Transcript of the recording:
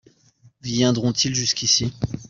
Viendront-ils jusqu'ici ?